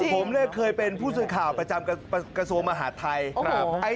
ผมเนี่ยเคยเป็นผู้สื่อข่าวกระจำกระโสมหาธัยครับ